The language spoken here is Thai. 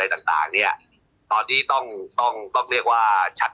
ในเรื่องของงบประมาณ